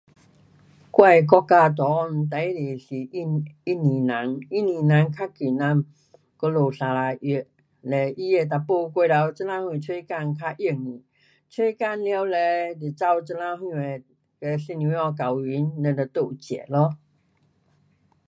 我的国家内最多是印，印尼人。印尼人较近咱，我们砂朥越。嘞它的男孩过头，这头向找工较容易，找工完了就找这头向的跟少女儿 kahwin，了就住这咯。